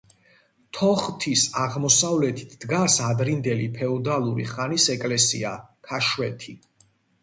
თოხთის აღმოსავლეთით დგას ადრინდელი ფეოდალური ხანის ეკლესია „ქაშვეთი“.